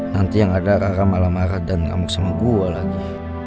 nanti kalau ada rara malah marah dan races sama gue lagi